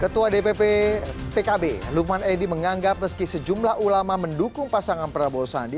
ketua dpp pkb lukman edi menganggap meski sejumlah ulama mendukung pasangan prabowo sandi